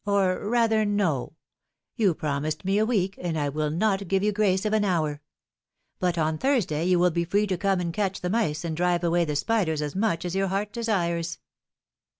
or rather, no ! You prom ised me a week and I will not give you grace of an hour; but on Thursday you will be free to come and catch the mice and drive away the spiders as much as your heart desires.